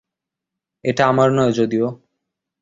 এটা আমার নয় যদিও।